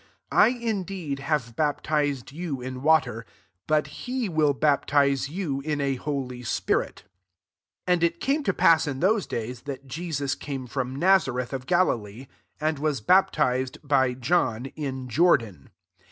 8 I indeed have baptized you in water: but he will baptize you in a holy spirit." 9 And it came to pass in those davs that Jesus came from Nazareth of Galilee, and was baptized by John, in Jordan.